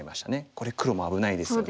これ黒も危ないですよね。